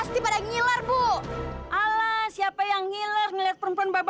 tidak ada yang bisa dianggap